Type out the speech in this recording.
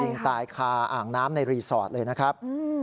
ยิงตายคาอ่างน้ำในรีสอร์ทเลยนะครับ